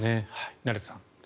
成田さん。